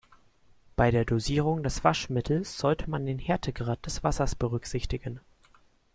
Bei der Dosierung des Waschmittels sollte man den Härtegrad des Wassers berücksichtigen.